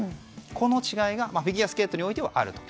この違いがフィギュアスケートにおいてはあると。